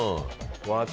私？